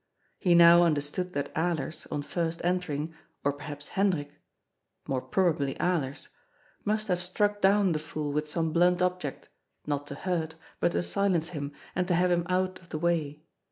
He now understood that Alers, on first entering, or perhaps Hendrik, more probably Alers, must have struck down the fool with some blunt object, not to hurt, but to silence him, and to have him out of the way.